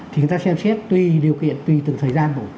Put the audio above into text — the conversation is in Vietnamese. thì người ta xem xét tùy điều kiện tùy từng thời gian